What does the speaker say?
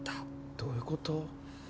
どういうこと？